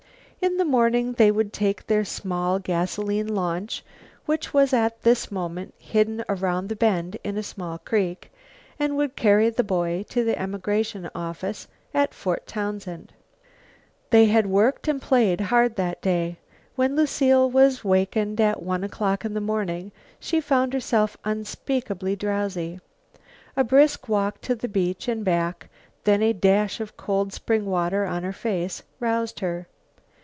In the morning they would take their small gasoline launch, which was at this moment hidden around the bend in a small creek, and would carry the boy to the emigration office at Fort Townsend. They had worked and played hard that day. When Lucile was wakened at one o'clock in the morning, she found herself unspeakably drowsy. A brisk walk to the beach and back, then a dash of cold spring water on her face, roused her.